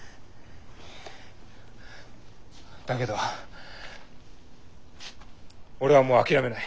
だけど俺はもう諦めない。